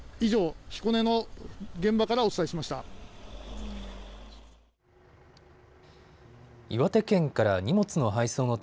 以上、彦根の現場からお伝えしました。